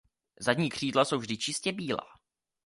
Zadní křídla jsou vždy čistě bílá.